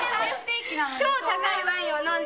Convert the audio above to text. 「超高いワインを飲んでね」